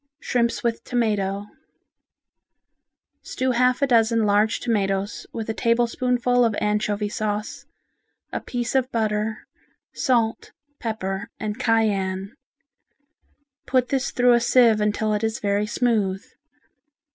Shrimps with Tomato Stew half a dozen large tomatoes with a tablespoonful of anchovy sauce, a piece of butter, salt, pepper and cayenne. Put this through a sieve until it is very smooth.